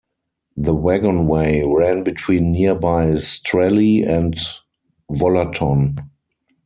The wagonway ran between nearby Strelley and Wollaton.